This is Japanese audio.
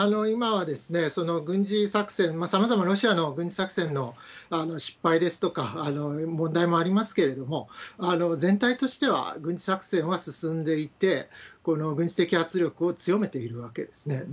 今はその軍事作戦、さまざまロシアの軍事作戦の失敗ですとか、問題もありますけれども、全体としては軍事作戦は進んでいて、この軍事的圧力を強めているわけですね。